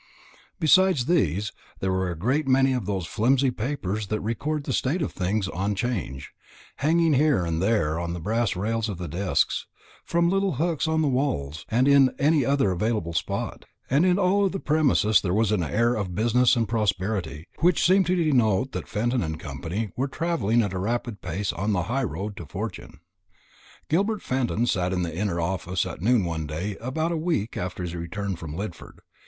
Besides these, there were a great many of those flimsy papers that record the state of things on 'Change, hanging here and there on the brass rails of the desks, from little hooks in the walls, and in any other available spot. And in all the premises there was an air of business and prosperity, which seemed to denote that Fenton and Co. were travelling at a rapid pace on the high road to fortune. Gilbert Fenton sat in the inner office at noon one day about a week after his return from Lidford.